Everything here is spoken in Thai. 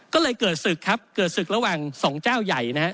ก็เลยเกิดศึกครับเกิดศึกระหว่างสองเจ้าใหญ่นะฮะ